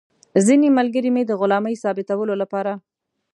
ځینې ملګري مې د غلامۍ ثابتولو لپاره.